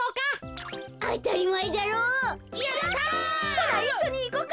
ほないっしょにいこか。